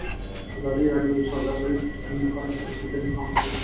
ازادي راډیو د سوداګریز تړونونه حالت ته رسېدلي پام کړی.